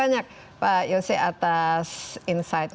juga tapi lebih